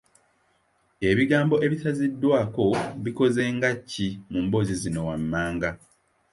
Ebigambo ebisaziddwako bikoze nga ki mu mboozi zino wammanga?